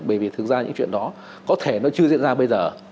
bởi vì thực ra những chuyện đó có thể nó chưa diễn ra bây giờ